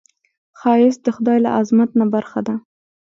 ښایست د خدای له عظمت نه برخه ده